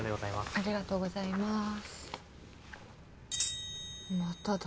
ありがとうございます。